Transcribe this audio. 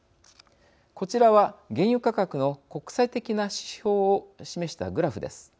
こちらは原油価格の国際的な指標を示したグラフです。